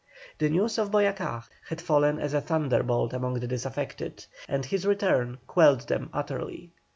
The news of Boyacá had fallen as a thunderbolt among the disaffected, and his return quelled them utterly.